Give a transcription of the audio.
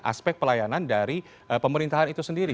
aspek pelayanan dari pemerintahan itu sendiri